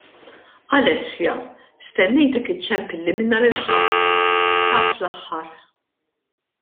Alessia, stennejtek iċċempilli minn nhar il-Ħadd, sa fl-aħħar!